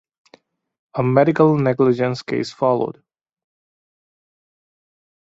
A medical negligence case followed.